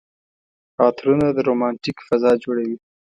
عطرونه د رومانتيک فضا جوړوي.